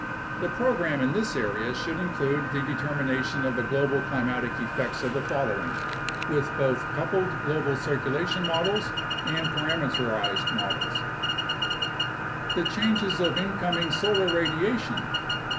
The program in this area should include the determination of the global climatic effects of the following (with both coupled global circulation models and parameterized models): The changes of incoming solar radiation.